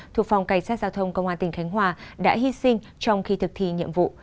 thuộc phòng cảnh sát giao thông công an tỉnh khánh hòa đã hy sinh trong khi thực thi nhiệm vụ